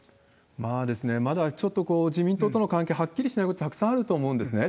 まだちょっと自民党との関係、はっきりしないことたくさんあると思うんですね。